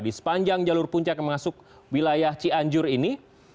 di sepanjang jalur puncak yang masuk wilayah cianjur ini